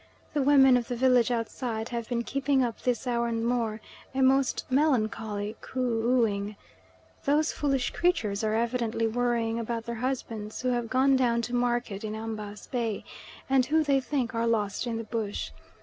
The women of the village outside have been keeping up, this hour and more, a most melancholy coo ooing. Those foolish creatures are evidently worrying about their husbands who have gone down to market in Ambas Bay, and who, they think, are lost in the bush.